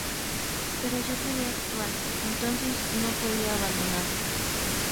Pero yo quería actuar, entonces no podía abandonar.